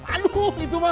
aduh itu mah